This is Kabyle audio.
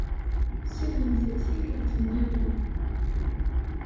Siwlemt-d tikkelt-nniḍen.